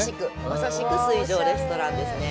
まさしく水上レストランですね。